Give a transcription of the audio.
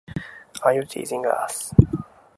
Are you teasing us?